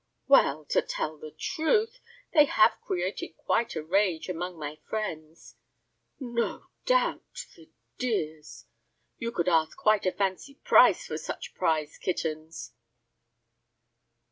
"Well, to tell the truth, they have created quite a rage among my friends." "No doubt, the dears. You could ask quite a fancy price for such prize kittens."